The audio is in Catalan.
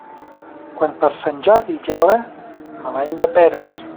Quan per Sant Jordi gela, mal any de peres.